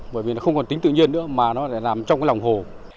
bởi vì nó không còn tính tự nhiên nữa mà nó lại làm trong cái lòng hồ